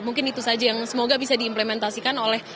mungkin itu saja yang semoga bisa diimplementasikan oleh